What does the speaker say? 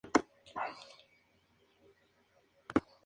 Estudió la secundaria en la escuela Sarmiento.